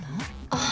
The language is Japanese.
ああ。